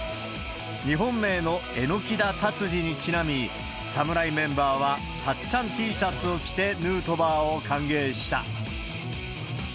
日本名の榎田達治にちなみ、侍メンバーは、たっちゃんＴシャツを着て、ヌートバーを歓迎した。